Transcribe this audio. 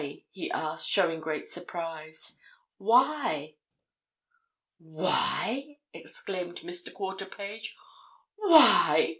he asked, showing great surprise. "Why?" "Why?" exclaimed Mr. Quarterpage. "Why?